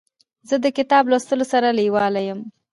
زه د کتاب لوستلو سره لیواله یم.